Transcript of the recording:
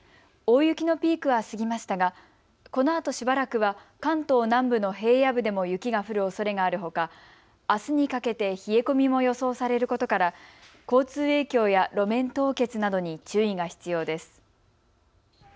大雪のピークは過ぎましたがこのあとしばらくは関東南部の平野部でも雪が降るおそれがあるほか、あすにかけて冷え込みも予想されることから交通影響や路面凍結などに注意が必要です。